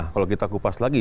kalau kita kupas lagi